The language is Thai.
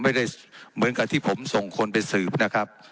ไม่ได้เหมือนกับที่ผมส่งคนไปสืบนะครับ